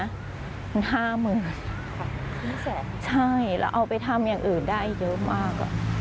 มันห้าหมื่นค่ะห้าแสนใช่แล้วเอาไปทำอย่างอื่นได้เยอะมาก